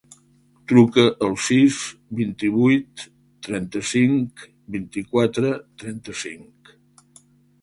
Truca al sis, vint-i-vuit, trenta-cinc, vint-i-quatre, trenta-cinc.